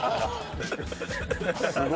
すごい。